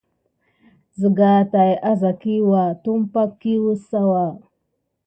Siga tät a sa kiwua tumpay kiwu kesawa.